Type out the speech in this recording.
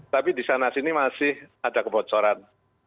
tapi di sana sini masih ada kebocoran